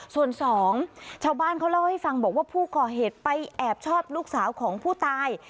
ส่วนสองชาวบ้านเขาเล่าให้ฟังบอกว่าผู้ก่อเหตุไปแอบชอบลูกสาวของผู้ตาย